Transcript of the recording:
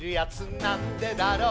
「なんでだろう」